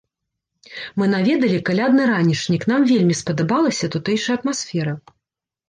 Мы наведалі калядны ранішнік, нам вельмі спадабалася тутэйшая атмасфера.